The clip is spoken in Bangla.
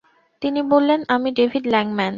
তিনি বললেন, আমি ডেভিড ল্যাংম্যান।